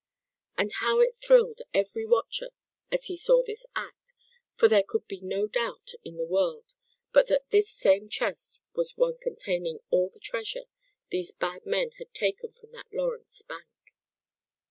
And how it thrilled every watcher as he saw this act, for there could be no doubt in the world but that this same chest was one containing all the treasure these bad men had taken from that Lawrence bank.